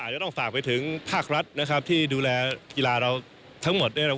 จะต้องฝากไปถึงภาครัฐนะครับที่ดูแลกีฬาเราทั้งหมด